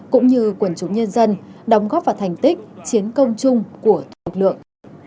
cũng như quần chủ nhân dân đóng góp vào thành tích chiến công chung của thuộc lượng